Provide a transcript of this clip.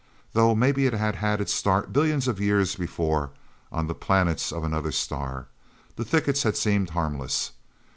Though maybe it had had its start, billions of years before, on the planets of another star. The thickets had seemed harmless.